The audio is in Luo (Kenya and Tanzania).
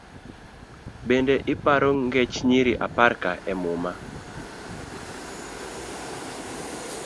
Bende iparo ngech nyiri aparka emuma?